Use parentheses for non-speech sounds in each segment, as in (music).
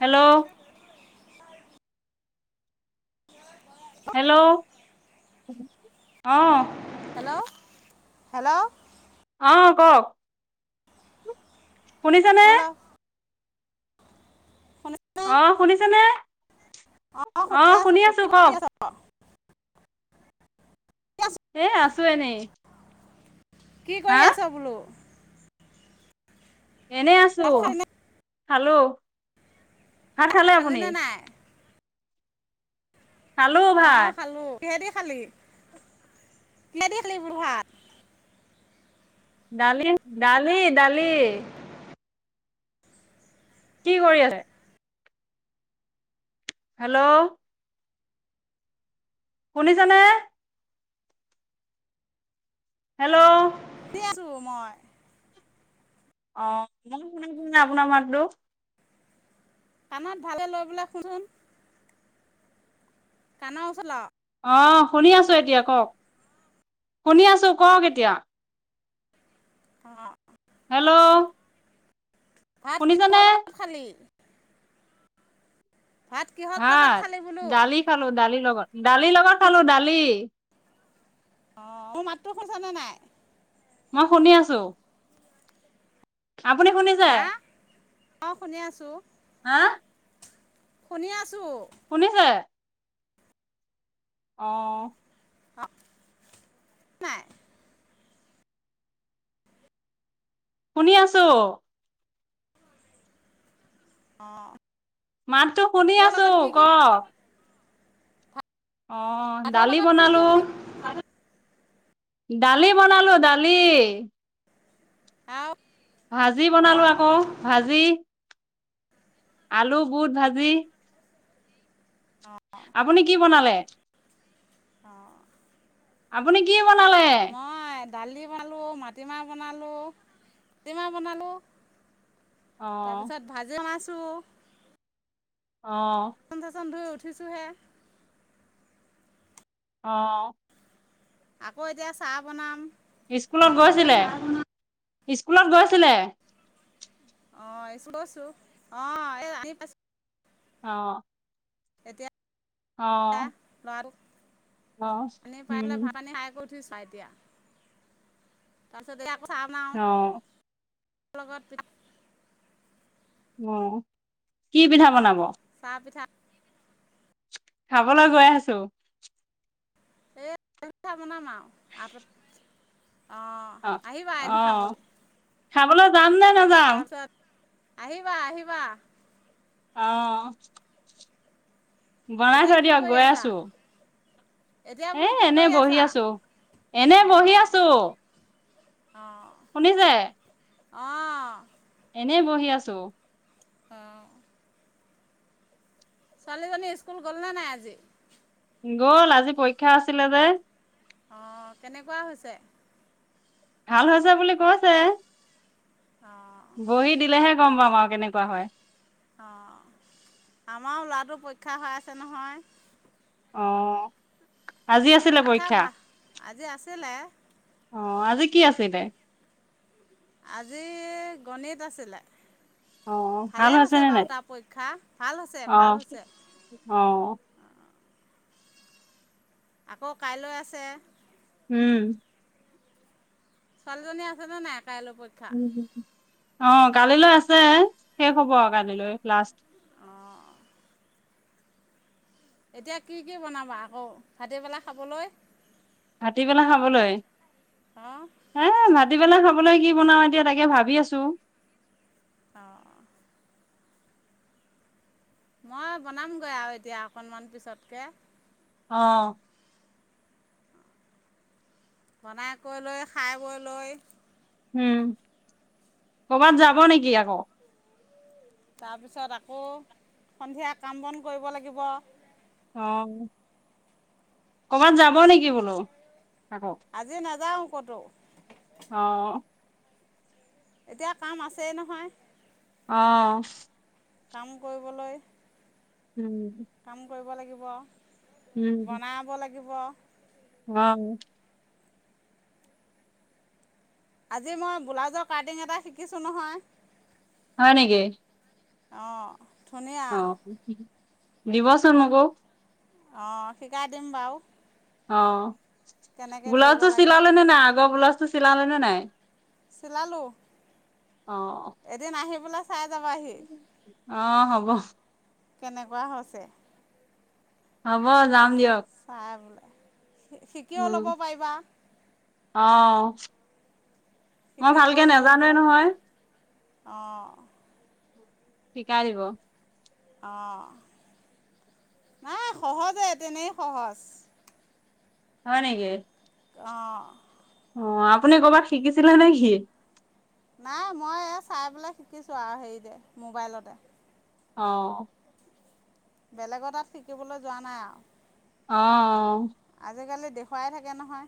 Hello hello অহ। Hello hello অ কওক। শুনিছানে? হেল্ল' শুনিছানে অ শুনিছেনে অঁ অ শুনি আছোঁ আছো কি কৰি কওক। আছ কি আছ এ আছো এনেই। কি হা কৰি আছ বোলো? এনেই আছো ভাত খালিনে হেল্ল' ভাত খালে আপুনি? খালিনে নাই খালোঁ ভাত। কিহেডি খালি কিহেদী খালী বোলো ভাত? ডালি ডালি ডালি। কি কৰি আছে? হেল্ল' শুনিছানে? হেল্ল' শুনি আছো মই। অ মই শুনছো নাই আপোনাৰ মাততো। কাণত ভালে লৈ বোলে শুনচোন। কাণৰ ওচৰত ল। অ শুনি আছো এতিয়া কওক, শুনি আছো কওক এতিয়া অ হেল্ল' ভাত কি হল শুনিছানে লগত খালি? ভাত কিহৰ লগত ভাত! খালি বোলো ডালি খালো ডালি লগত। দালিৰ লগত খালো দালি। অ মোৰ মাতটো শুছ নে নাই? মই শুনি আছো। আপুনি শুনিছে? অ' শুনি আছো হা। শুনি -আছো শুনিছে? অ ' আহ নাই শুনি আছো। অ' মাতটো শুনি আছো ক' কি অ ভাতৰ 'দালি লগত কি কি বনালো বুলি দালি বনালো দালি। অহ' ভাজি বনালো আকৌ ভাজি। আলু বুট ভাজি। অঁ আপুনি কি বনালে। অ' আপুনি কি? বনালে? দালি বনালোঁ মাটিমাহ বনালোঁ মাতিমাহ বনালোঁ অ তাৰপিছত ভাজি মাছ অ বাচন চাচন ধুই। উঠিছোঁহে। অহ। আকৌ এতিয়া চাহ বনাম। স্কুলত গৈছিলে স্কুলত গৈছিলে। অ ' অ' এ আহি পাইছো অ' এতিয়া। এতিয়া ল'ৰাটো। অহ হুম। উঠি চাই এতিয়া তাৰপিছত এয়া। খাম আওঁ। অ লগত পিঠা অ' কি পিঠা বনাব। চাহ পিঠা। খাবলে গৈ আছো। এ বনাম আৰু আপ। অ -অ খাবলৈ যাম নে নাযাম তাৰছ আহিবা আহিবা অ বণাই এতিয়া থৈ কি দিযা কৰি গৈ আছা আছো এতিয়া এ বোলো কি এনে কৰি বহি আছা আছো এনে বহি অঁ আছো অ শুনিছে অ এনেই বহি আছো ওম চোৱালিজনী স্কুল গল নে নাই আজি গ'ল আজি পৰীক্ষা আছিলে যে অ কেনেকুৱা হৈছে? ভাল হৈছে বুলি কৈছে অ বহি দিলেহে গম পাম আৰু কেনেকুৱা হয় অ আমাৰো লৰাটো পৰীক্ষা হৈ আছে নহয় অ আজি আছিলে পৰিক্ষা পৰীক্ষা ভা আজি আছিলে অ আজি কি আছিল দে আজি গণিত আছিলে অ ভালে ভাল হৈছে নে বাৰু নাই তাৰ পৰীক্ষা ভাল হৈছে অ ভাল হৈছে অ আকৌ কাইলৈ আছে উম ছোৱালীজনী আছে ন নাই কাইলৈ পৰীক্ষা অ কালিলৈ আছে শেষ হব আৰু কালিলৈ লাষ্ট এতিয়া কি কি বনাবা আকৌ ভাট পেলা খাবলৈ কাটি পেলাই খাবলৈ অ', হ ম (unintelligible) ৰাতি পেলা খাবলৈ কি বনাওঁ এতিয়া তাকে ভাবি আছো অ মই বনামগৈ আৰু এতিয়া অকনমান পিছতকে অ বনাই কৈ লৈ খাই বৈ লৈ উম কৰবাত যাব নেকি আকৌ তাৰপিছত আকৌ সন্ধিয়া কাম বন কৰিব লাগিব অ কৰ'বাত যাব নেকি বোলো আকৌ আজি নাযাওঁ কটো অ এতিয়া কাম আছেই নহয়। অঁ। কাম কৰিবলৈ উম। কাম কৰিব লাগিব উম আৰু। বনাব লাগে, লাগিব। অ। আজি মই বব্লাউজৰ কাটিং এটা শিকিছোঁ নহয়। হয় নেকি? অঁ। ধুনীয়া অ। দিবাচোন মোকো। অঁ শিকাই দিম বাৰু। অঁ। কেনেকৈ কৰিব ব্লাউজো লাগে চিলালে নে নাই? আগৰ ব্লাউজ চিলালে নে নাই? চিলালো। অ এদিআহি পেলাই চাইজাবাহি। অঁ হব। কেনেকুৱা হৈছে, হ'ব যাম দিয়ক। চাহ বলে শিকিও উম ল'ব পাৰিবা, অ। মই শিকি ভালকে কৰি লৈ নাজানে বোলে নহয়। অঁ। শিকাই দিব। অ' নাই সহজে তেনেই সহজ। হয় নেকি? অঁ। অঁ। আপুনি কৰ'বাত শিকিছিলে নেকি? নাই, মই চাই পেলাই শিকিছো আৰু হেৰিতে মোবাইলতে। অ। বেলেগৰ তাত শিকিবলৈ যোৱা নাই আৰু। অঁ। আজিকালি দেখুৱাই থাকে নহয়।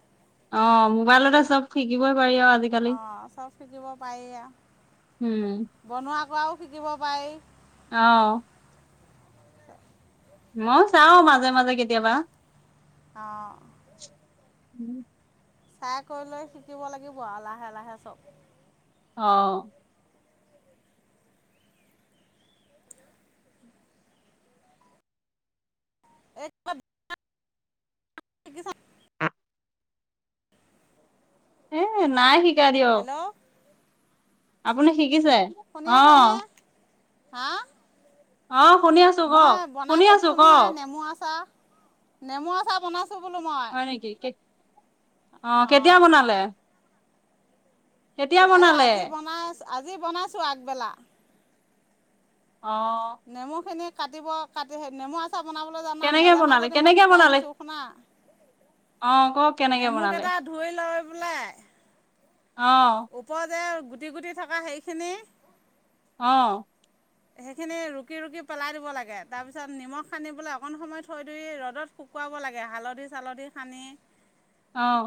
অঁ, মোবাইলতে চব শিকিবই পাৰি আৰু আজিকালি। অ' চব শিকিব পাৰি উম, বনোৱা কৰাও শিকিব পাৰি। অঁ মইও চাও মাজে-মাজে কেতিয়াবা। অ', উম। চাই কৰি লৈ শিকিব লাগিব আৰু লাহে লাহে চব। অ। এক। (unintelligible) হে এ নাই শিকাই দিয়ক। হেল্ল' আপুনি শিকিছে শুনি অ। আছানে হা। অ। শুনি আছো মই কওক, বনাই শুনি থৈ আছো দিছো নহয় কওক। নেমু আচাৰ। নেমু আ চাহ বনাইছ। হয় নেকি কে? অ কেতিয়া অঁ বনালে? কেতিয়া এই বনালে? আজি বনাই আজি বনাইছো আগবেলা। অ', নেমু খিনি কাটিব কাটি নেমু আছে। পা বনাবলৈ জানা কেনেকে নাজানা বনালে? যদি মই কেনেকে শিকাই বনালে? দিছো শুনা। অ কওক কেনেকে বনালে? লাই। অ', উপৰতে গুটি গুটি থকা সেইখিনি। অ। সেইখিনি ৰুকি ৰুকি পেলাই দিব লাগে তাৰপিছত নিমখ সানি পোই অকণ সময় থৈ দি ৰ'দত শুকুৱাব লাগে হালধি- চালধি সানি। আহ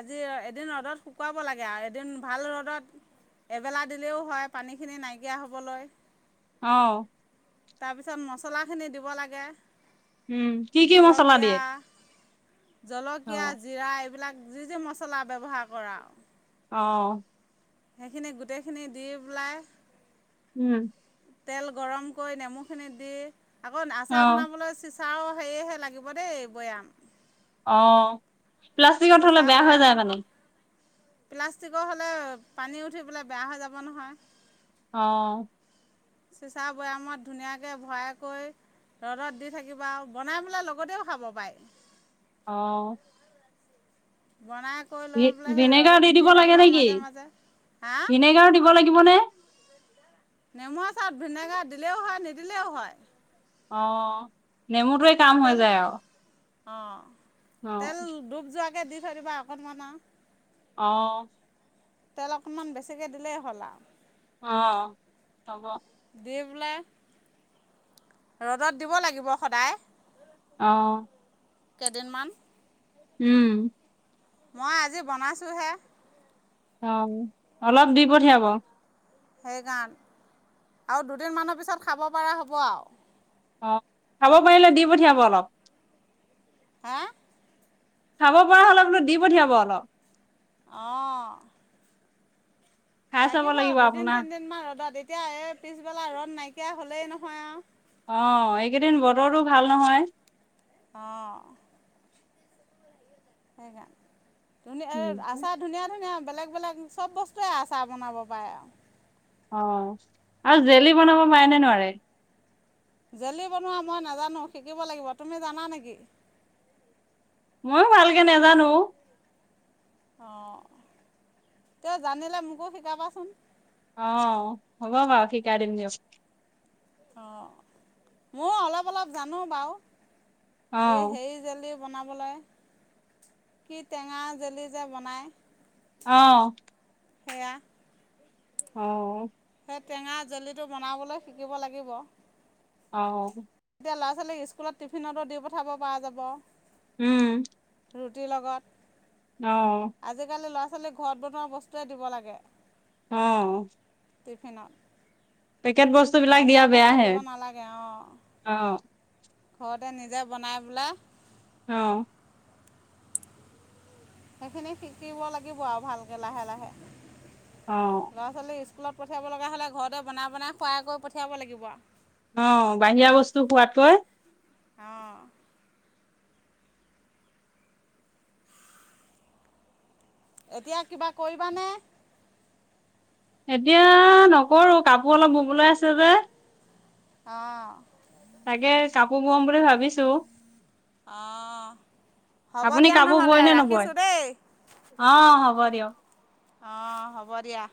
আজি এদিন ৰ'দত শুকুৱাব লাগে আৰু এদিন ভাল ৰ'দত এবেলা দিলেও হয় পানী খিনি নাইকিয়া হবলৈ। আহ। তাৰপিছত মচলা খিনি দিব লাগে। উম কি কি মচলা জলকীয়া দিয়ে? জলকীয়া অ', জিৰা এইবিলাক। যি যি মছলা বব্যৱহাৰ কৰা। অ। সেইখিনি গোটেইখিনি দি পেলাই। উম। তেল গৰম কৰি নেমুখিনি দি। আকৌ আচা অ'। বনাবলৈ। চাওঁ সেয়েহে লাগিব দেই বৈয়াম আহ প্লাষ্টিকত হলে চিচা বেয়া হৈ যায় বৈয়ামত মানে প্লাষ্টিকৰ হ'লে পানী উঠি পেলাই বেয়া হৈ যাব নহয় আহ চিঁচা বৈয়ামত ধুনীয়াকৈ ভৰাই কৰিৈ ৰ'দত দি থাকিব আৰু বনাই পেলাই লগতেও খাব পাৰি আহ বনাই কৰি লৈ ভি পেলাই সেই ভিনেগাৰ ৰ'দত দি দিব লাগে থাকিবা নেকি মাজে মাজে হা ভিনেগাৰ দিব লাগিবনে নেমু আ চত ভিনেগাৰ দিলেও হয় নিদিলেও হয় অহ নেমুটোৱে কাম হৈ তেল যায় আৰু অঁ অ', তেল ডুব যোৱা দি থৈ দিবা অকণমান আহ তেল অকনমান বেছিকে দিলেই হ'ল আৰু অ চব দি পেলাই ৰ'দত দিব লাগিব সদায় আহ কেইদিনমান উম মই আজি বনাইছোঁহে অ অলপ দিব পঠিয়াব সেইকাৰণ আৰু দুদিনমানৰ পিছত খাব পৰা হ'ব আৰু অ খাব পাৰিলে দি পঠিয়াব অলপ হ খাব পৰা হ'লে বোলো দি পঠিয়াব অলপ আহ খাই চাব লাগিব দুদিন আপোনাৰ তিনদিন মমান ৰ'দত এতিয়া এই পিছবেলা ৰদ নাইকিয়া হলেই নহয় আৰু অঁ এইকেইদিন বতৰতো ভাল নহয় আহ সেইকাৰান ধুনীয়া এ উম, আছা ধুনীয়া ধুনীয়া বেলেগ বেলেগ চব বস্তুৱে আ চাৰ বনাব পাৰে আৰু অ আৰু জেলি বনাব পাৰেনে নোৱাৰে জেলি বনোৱা মই নাজানো শিকিব লাগিব তুমি জানা নেকি ময়ো ভালকে নাজানো অ তেওঁ জানিলে মোকো শিকাবাচোন অ হ'ব বাৰু শিকাই দিম দিয়ক অ ময় অলপ অলপ জানো বাৰু অ এ সেই জালি বনাবলে কি টেঙা জেলী যে বনাই অ সেয়া অ সেই টেঙা জেলিটো বনাবলৈ শিকিব লাগিব অ তেতিয়া ল'ৰা ছোৱালীক স্কুলত টিফিনতো দি পঠাব পৰা যাব উম ৰুটিৰ লগত অ আজিকালি ল'ৰা আচলতে ঘৰত বনোৱা বস্তুৱয়ে দিব লাগে অ টিফিনত পেকেট বস্তুবিলাক বাহিৰা দিয়া বস্তু বেয়াহে দিব নালাগে অঁ অঁ ঘৰতে নিজে বনাই পেলাই অ সেইখিনি শিকিব লাগিব আৰু ভালকে লাহে লাহে অ ল'ৰা ছোৱালী স্কুলত পঠিয়াব লগা হ'লে ঘৰতে বনাই বনাই খোৱাই কৰি পঠিয়াব লাগিব আৰু অ বাহিয়া বস্তু খোৱাতকৈ অ এতিয়া কিবা কৰিবানে এতিয়া নকৰো কাপোৰ অলপ ধুবলৈ আছে যে অ তাকে কাপোৰ বোৱাাম বুলি ভাবিছো অঁ হ'ব আপুনি দিয়া কাপোৰ নহ'লে বয় নে নবয় ৰাখিছোঁ দেই অ হ'ব দিয়ক অ হ'ব দিয়া